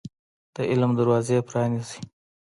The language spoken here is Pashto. د علم دروازي پرانيزۍ